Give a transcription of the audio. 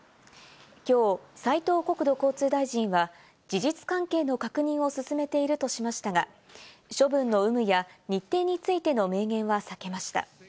きょう、斉藤国土交通大臣は事実関係の確認を進めているとしましたが、処分の有無や日程についての明言は避けました。